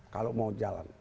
kalau mau jalan